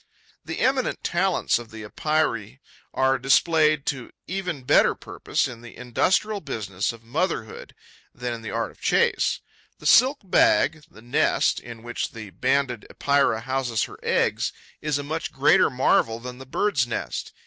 The eminent talents of the Epeirae are displayed to even better purpose in the industrial business of motherhood than in the art of the chase. The silk bag, the nest, in which the Banded Epeira houses her eggs, is a much greater marvel than the bird's nest.